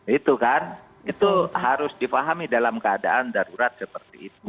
itu kan itu harus dipahami dalam keadaan darurat seperti itu